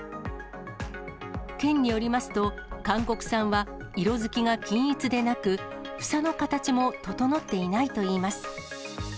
県によりますと、韓国産は色づきが均一でなく、房の形も整っていないといいます。